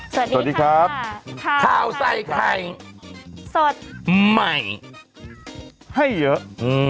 สวัสดีครับข้าวใส่ไข่สดใหม่ให้เยอะ